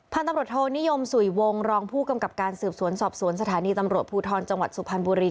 ตำรวจโทนิยมสุยวงรองผู้กำกับการสืบสวนสอบสวนสถานีตำรวจภูทรจังหวัดสุพรรณบุรี